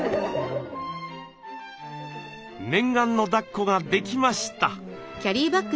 念願のだっこができました。